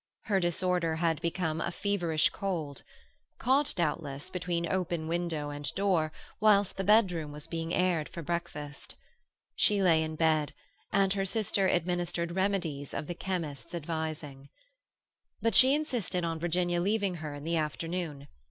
Her disorder had become a feverish cold—caught, doubtless, between open window and door whilst the bedroom was being aired for breakfast. She lay in bed, and her sister administered remedies of the chemist's advising. But she insisted on Virginia leaving her in the afternoon.